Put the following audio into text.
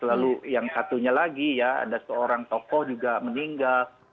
lalu yang satunya lagi ya ada seorang tokoh juga meninggal